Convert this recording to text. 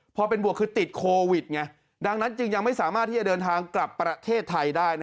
พอเป็นบวกคือติดโควิดไงดังนั้นจึงยังไม่สามารถที่จะเดินทางกลับประเทศไทยได้